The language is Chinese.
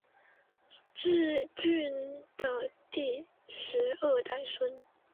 挚峻的第十二代孙。